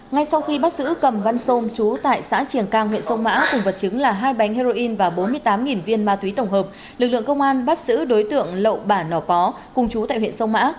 ngay sau khi bắt giữ cầm văn sôm chú tại xã triềng cang huyện sông mã cùng vật chứng là hai bánh heroin và bốn mươi tám viên ma túy tổng hợp lực lượng công an bắt giữ đối tượng lậu bản nò pó cùng chú tại huyện sông mã